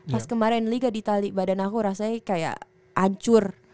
pas kemarin liga di itali badan aku rasanya kayak ancur